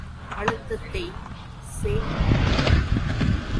அழுத்தத்தை செ.மீ.